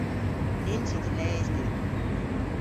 Nyns yw dhe les dhywgh.